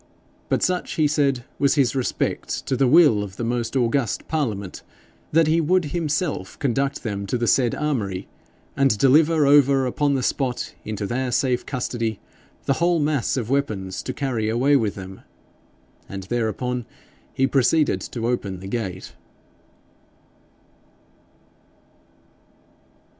But such he said was his respect to the will of the most august parliament, that he would himself conduct them to the said armoury, and deliver over upon the spot into their safe custody the whole mass of weapons to carry away with them. And thereupon he proceeded to open the gate.